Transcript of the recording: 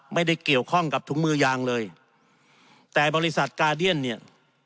ไม่ได้เกี่ยวข้องกับถุงมือยางเลยแต่บริษัทกาเดียนเนี่ย